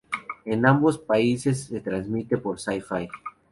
En ambos países se transmite por Syfy.